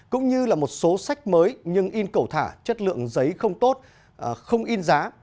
cũng như là một số sách mới nhưng in cẩu thả chất lượng giấy không tốt không in giá